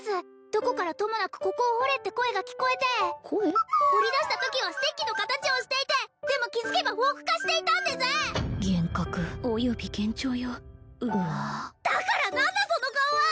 どこからともなくここを掘れって声が聞こえて掘り出したときはステッキの形をしていてでも気づけばフォーク化していたんです幻覚および幻聴ようわだから何だその顔は！